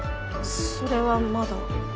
それはまだ。